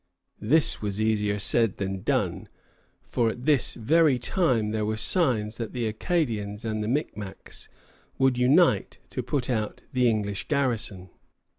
This was easier said than done; for at this very time there were signs that the Acadians and the Micmacs would unite to put out the English garrison.